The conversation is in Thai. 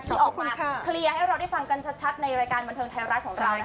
ที่ออกมาเคลียร์ให้เราได้ฟังกันชัดในรายการบันเทิงไทยรัฐของเรา